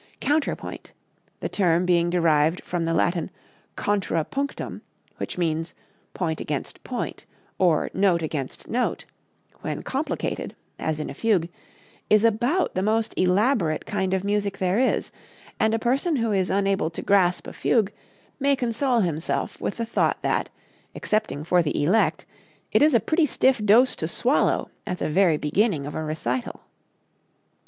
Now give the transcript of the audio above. Counterpoint, the term being derived from the Latin contra punctum, which means point against point or note against note, when complicated, as in a fugue, is about the most elaborate kind of music there is, and a person who is unable to grasp a fugue may console himself with the thought that, excepting for the elect, it is a pretty stiff dose to swallow at the very beginning of a recital.